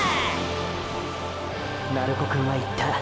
鳴子くんは言った。